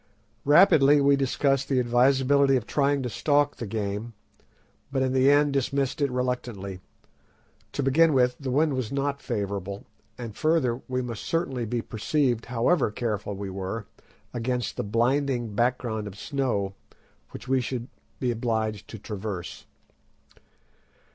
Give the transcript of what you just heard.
Rapidly we discussed the advisability of trying to stalk the game, but in the end dismissed it reluctantly. To begin with, the wind was not favourable, and further, we must certainly be perceived, however careful we were, against the blinding background of snow, which we should be obliged to traverse.